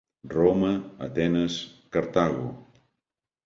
Roma, Atenes, Cartago.